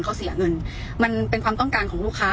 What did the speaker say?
เขาเสียเงินมันเป็นความต้องการของลูกค้า